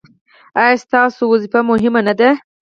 ایا ستاسو دنده مهمه نه ده؟